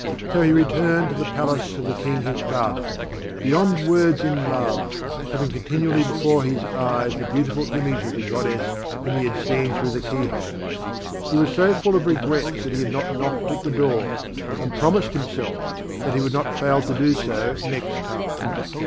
So he returned to the palace of the King his father, beyond words in love, having continually before his eyes the beautiful image of the goddess whom he had seen through the keyhole. He was full of regret that he had not knocked at the door, and promised himself that he would not fail to do so next time.